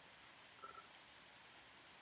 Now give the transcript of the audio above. د دلارام لاره مهمه ده